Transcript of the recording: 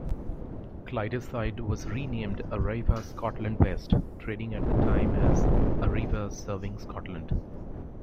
Clydeside was renamed Arriva Scotland West, trading at the time as "Arriva serving Scotland".